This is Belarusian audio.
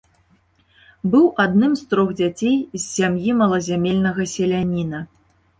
Быў адным з трох дзяцей з сям'і малазямельнага селяніна.